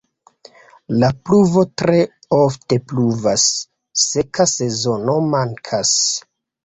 La pluvo tre ofte pluvas, seka sezono mankas.